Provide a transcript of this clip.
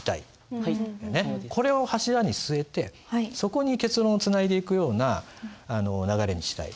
これを柱にすえてそこに結論をつないでいくような流れにしたい。